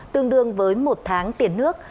tương đương với một tháng tiền nước